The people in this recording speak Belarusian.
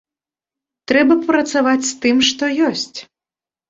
Трэба працаваць з тым, што ёсць.